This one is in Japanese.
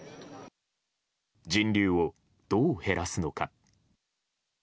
人流を、どう減らすのか。